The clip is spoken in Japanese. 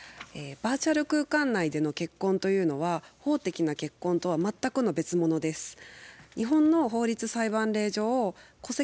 バーチャル空間内での結婚というのは法的な結婚とは全くの別物です。